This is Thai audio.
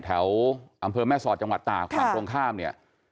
แถวอำเภอแม่ศาสตร์จังหวัดต่าขวางควมข้ามเนี่ย